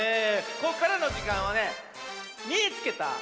ここからのじかんはね「みいつけた！